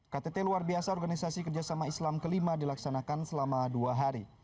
ktt luar biasa organisasi kerjasama islam kelima dilaksanakan selama dua hari